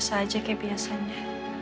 buasa aja kayak biasanya